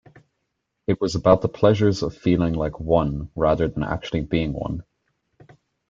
It was about the pleasures of feeling like one rather than actually being one.